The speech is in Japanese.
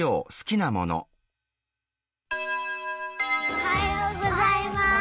おはようございます。